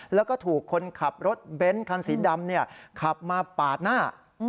แล้วก็ถูกคนขับรถเบ้นคันสีดำขับมาปาดหน้า